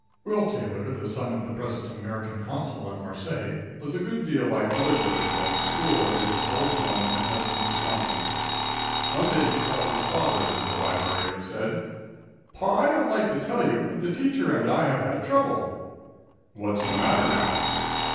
Will Taylor, the son of the present American Consul at Marseilles, was a good deal like other boys while at school in his old home, at Hudson, Wis. One day he called his father into the library, and said: "Pa, I don't like to tell you, but the teacher and I have had trouble." "What's the matter now?"